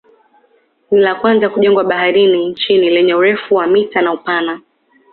Ni la kwanza kujengwa baharini nchini lenye urefu wa mita na upana